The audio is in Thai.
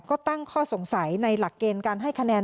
ก็ตั้งข้อสงสัยในหลักเกณฑ์การให้คะแนน